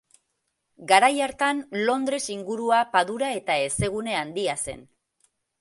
Garai hartan Londres ingurua padura eta hezegune handia zen.